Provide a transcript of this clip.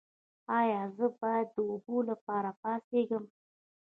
ایا زه باید د اوبو لپاره پاڅیږم؟